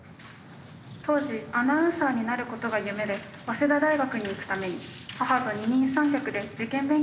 「当時アナウンサーになることが夢で早稲田大学に行くために母と二人三脚で受験勉強に励んでいた」。